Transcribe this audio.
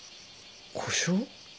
故障？